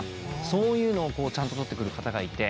そういうのをちゃんと撮ってくる方がいて。